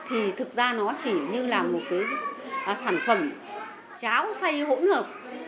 thì thực ra nó chỉ như là một cái sản phẩm cháo say hỗn hợp